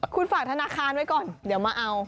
คุณฝากธนาคารไว้ก่อนเดี๋ยวมาเอา